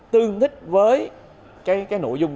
tương thích với cái nội dung